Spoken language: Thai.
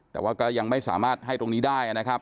แต่ว่าก็ยังไม่สามารถให้ตรงนี้ได้นะครับ